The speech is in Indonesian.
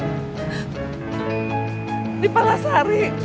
di jalan palasari